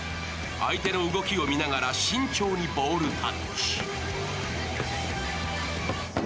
相手の動きを見ながら慎重にボールタッチ。